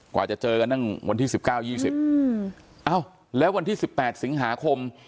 กว่าจะเจอกันนั่งวันที่สิบเก้ายี่สิบอ้าวแล้ววันที่สิบแปดสิงหาคม